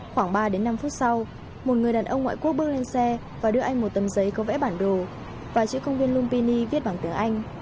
khoảng ba đến năm phút sau một người đàn ông ngoại quốc bước lên xe và đưa anh một tấm giấy có vẽ bản đồ và chữ công viên lumpini viết bằng tiếng anh